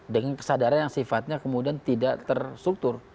dengan kesadaran yang sifatnya kemudian tidak terstruktur